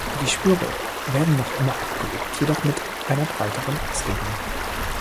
Die Schwüre werden noch immer abgelegt, jedoch mit einer breiteren Auslegung.